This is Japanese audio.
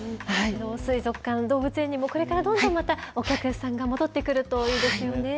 水族館、動物園にもこれからどんどんまた、お客さんが戻ってくるといいですね。